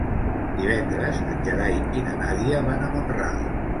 Divendres en Gerai i na Nàdia van a Mont-ral.